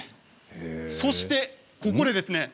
そして、ここでですね。